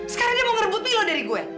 sekarang dia mau ngerebut milo dari gue